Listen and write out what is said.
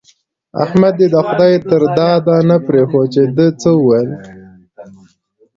احمد دې د خدای تر داده نه پرېښود چې ده څه ويل.